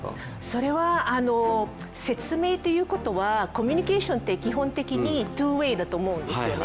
それは説明ということは、コミュニケーションって基本的にツーウェイだと思うんですよね。